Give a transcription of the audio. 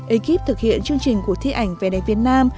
ekip thực hiện chương trình cuộc thi ảnh về đại việt nam